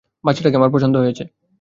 বাচ্চাটাকে আমার পছন্দ হয়েছে।